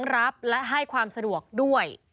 รับและให้ความสะดวกด้วย